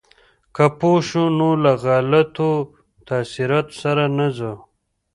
که پوه شو، نو له غلطو تاثیراتو سره نه ځو.